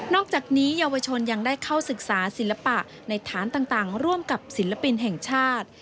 อกจากนี้เยาวชนยังได้เข้าศึกษาศิลปะในฐานต่างร่วมกับศิลปินแห่งชาติ